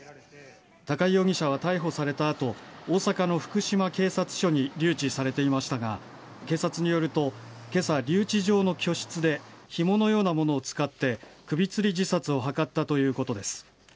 高井容疑者は逮捕された後大阪の福島警察署に留置されていましたが警察によると今朝、留置場の居室でひものようなものを使って首つり自殺を図ったということです。